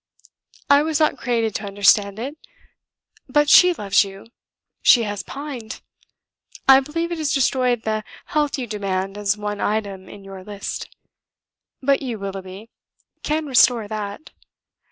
I was not created to understand it. But she loves you, she has pined. I believe it has destroyed the health you demand as one item in your list. But you, Willoughby, can restore that.